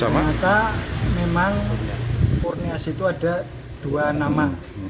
ternyata memang kurniasih itu ada dua nama